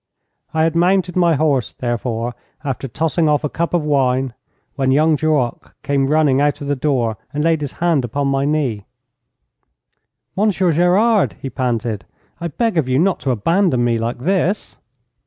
I had mounted my horse, therefore, after tossing off a cup of wine, when young Duroc came running out of the door and laid his hand upon my knee. 'Monsieur Gerard,' he panted, 'I beg of you not to abandon me like this!'